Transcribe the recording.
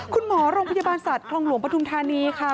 คุณหมอโรงพยาบาลสัตว์คลองหลวงปฐุมธานีค่ะ